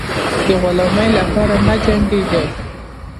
د غلامۍ لپاره مه جنګېږی.